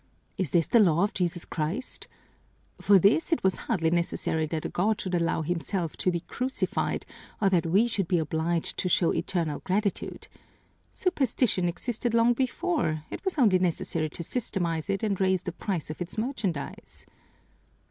Is this the law of Jesus Christ? For this it was hardly necessary that a God should allow Himself to be crucified or that we should be obliged to show eternal gratitude. Superstition existed long before it was only necessary to systematize it and raise the price of its merchandise!